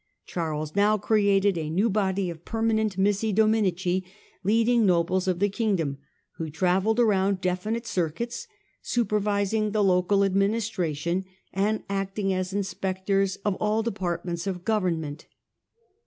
Charles now created a new body of permanent missi dominici, leading nobles of the kingdom who travelled around definite circuits supervising the local administra ion and acting as inspectors of all departments of )vernment.